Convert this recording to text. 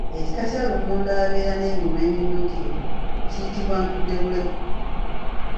Ekika kya lumonde abeera n’eminwe emimyukirivu kiyitibwa ntuddebuleku.